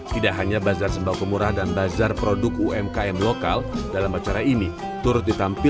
mereka welcome terhadap jalan saya itu loh mas